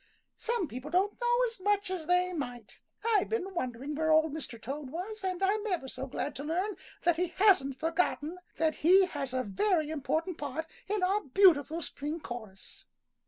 "Some people don't know as much as they might. I've been wondering where Old Mr. Toad was, and I'm ever so glad to learn that he hasn't forgotten that he has a very important part in our beautiful spring chorus."